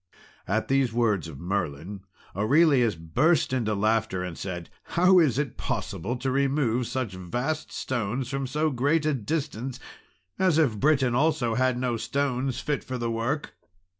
At these words of Merlin, Aurelius burst into laughter, and said, "How is it possible to remove such vast stones from so great a distance, as if Britain, also, had no stones fit for the work?"